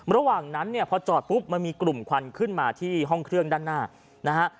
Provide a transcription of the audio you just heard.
ระหว่างนั้นเนี่ยพอจอดปุ๊บมันมีกลุ่มควันขึ้นมาที่ห้องเครื่องด้านหน้านะฮะ